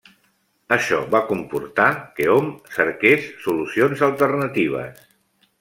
Això va comportar que hom cerques solucions alternatives.